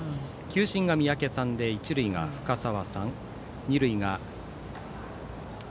球審が三宅さんで一塁が深沢さん。